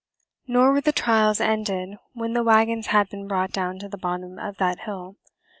] Nor were the trials ended when the wagons had been brought down to the bottom of that hill.